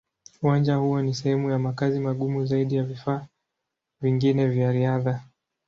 Uwanja huo ni sehemu ya makazi magumu zaidi ya vifaa vingine vya riadha.